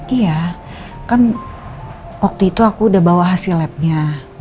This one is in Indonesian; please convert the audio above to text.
iya kan waktu itu aku udah bawa hasil labnya